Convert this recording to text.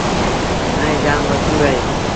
ائيٚݩ جآم مشهور اهي